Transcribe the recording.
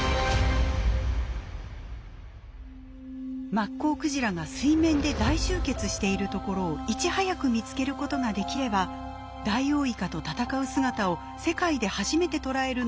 マッコウクジラが水面で大集結しているところをいち早く見つけることができればダイオウイカと闘う姿を世界で初めて捉えるのも不可能ではない。